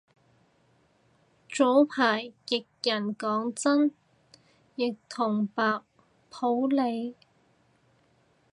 早排譯人講真鐸同白普理